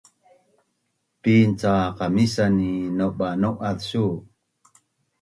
Pin ca qamisan ni nauba’binau’az su?